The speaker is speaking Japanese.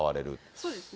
そうですね。